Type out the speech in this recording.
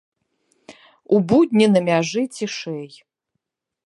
У будні на мяжы цішэй.